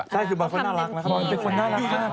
ใช่คือเป็นคนน่ารักนะครับ